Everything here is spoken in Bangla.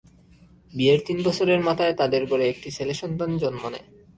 বিয়ের তিন বছরের মাথায় তাঁদের ঘরে একটি ছেলে সন্তান জন্ম নেয়।